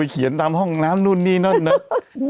เขียนตามห้องน้ำนู่นนี่นั่นนึก